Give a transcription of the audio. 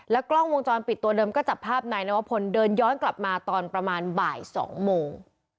กล้องวงจรปิดตัวเดิมก็จับภาพนายนวพลเดินย้อนกลับมาตอนประมาณบ่าย๒โมง